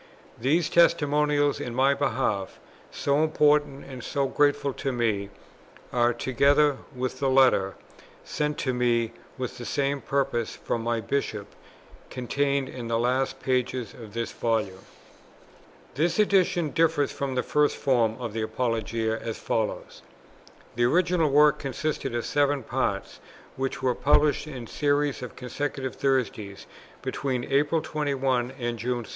These testimonials in my behalf, so important and so grateful to me, are, together with the Letter, sent to me with the same purpose, from my Bishop, contained in the last pages of this Volume. This Edition differs from the first form of the Apologia as follows: The original work consisted of seven Parts, which were published in series on consecutive Thursdays, between April 21 and June 2.